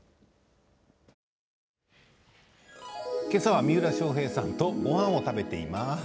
けさは三浦翔平さんとごはんを食べています。